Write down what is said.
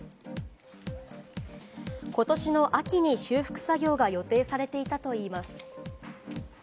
ことしの秋に修復作業が予定されていたといいます。